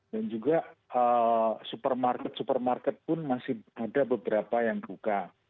dan juga supermarket supermarket pun masih ada beberapa yang buka